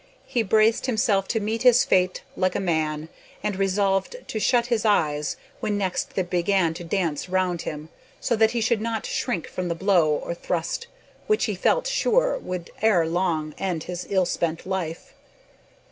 He braced himself to meet his fate like a man, and resolved to shut his eyes, when next they began to dance round him, so that he should not shrink from the blow or thrust which, he felt sure, would ere long end his ill spent life.